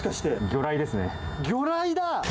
魚雷だ！